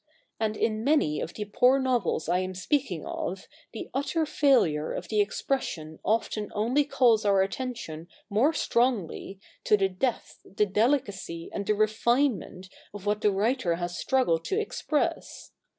And in many of the poor novels I am speaking of, the utter failure of the expression often only calls our attention more strongly to the depth, the delicacy, and the refinement of what the writer has struggled to express.